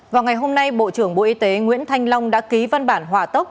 vào ngày hôm nay bộ trưởng bộ y tế nguyễn thanh long đã ký văn bản hòa tốc